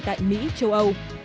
tại mỹ châu âu